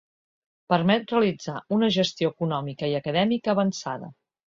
Permet realitzar una gestió econòmica i acadèmica avançada.